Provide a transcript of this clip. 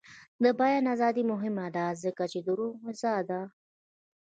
د بیان ازادي مهمه ده ځکه چې د روح غذا ده.